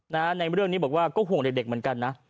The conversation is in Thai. ในเรื่องนี้บอกว่าก็ห่วงเด็กเหมือนกันนะ